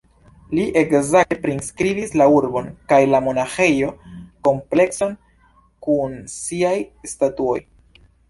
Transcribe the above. Li ekzakte priskribis la urbon kaj la monaĥejo-komplekson kun siaj statuoj.